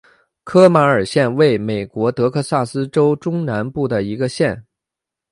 科马尔县位美国德克萨斯州中南部的一个县。